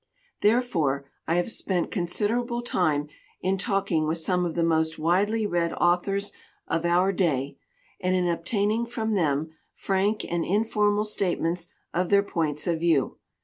Therefore I have spent considerable time in talking with some of the most widely read authors of our day, and in obtaining from them frank and informal statements of their points of view.